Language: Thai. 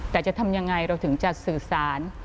แต่จะทำยังไงเราถึงจะสื่อสาร